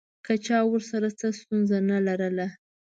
که چا ورسره څه ستونزه نه لرله.